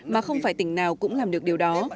mà không phải tỉnh nào cũng làm được điều đó